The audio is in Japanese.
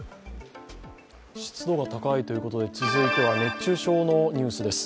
湿度が高いということで、続いては熱中症のニュースです。